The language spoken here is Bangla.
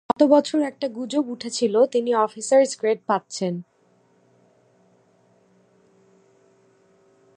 গত বছর একটা গুজব উঠেছিল, তিনি অফিসার্স গ্রেড পাচ্ছেন।